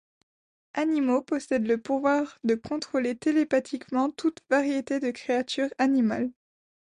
Animo possède le pouvoir de contrôler télépathiquement toute variété de créature animale.